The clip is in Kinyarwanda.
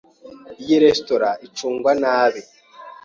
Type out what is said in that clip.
Iyi resitora icungwa nabi.